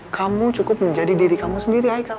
kamu cukup menjadi diri kamu sendiri ichael